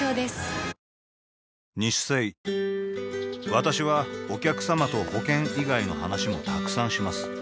私はお客様と保険以外の話もたくさんします